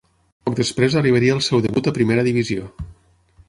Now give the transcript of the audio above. Poc després arribaria el seu debut a Primera Divisió.